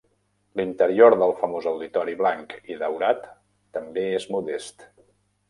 L'interior del famós auditori blanc i daurat també és modest.